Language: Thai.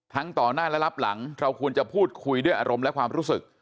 ต่อหน้าและรับหลังเราควรจะพูดคุยด้วยอารมณ์และความรู้สึก